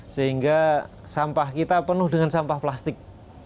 sehingga sampah kita penuh dengan sampah plastik